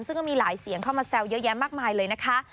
ซึ่งก็มีหลายเสียงเข้ามาแซวเยอะแยะมากมายเลยนะคะ